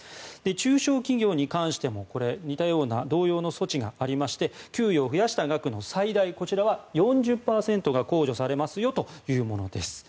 中小企業に関しても同様の措置がありまして給与を増やした額の最大４０％が控除されますよというものです。